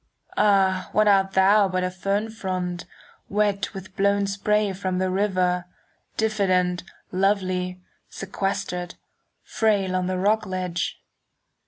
Ah, what art thou but a fern frond, 5 Wet with blown spray from the river, Diffident, lovely, sequestered, Frail on the rock ledge?